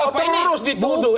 pak ahok terus dituduh